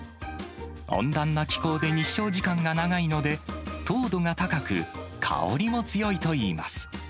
温暖な気候で日照時間が長いので、糖度が高く、香りも強いといいます。